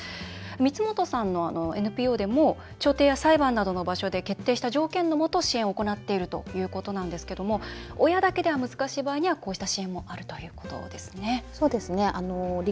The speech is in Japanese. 光本さんのＮＰＯでも調停や裁判などの場所で決定した条件のもと支援を行っているということなんですけども親だけでは難しい場合にはこうした支援もあるということですね。